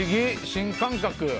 新感覚！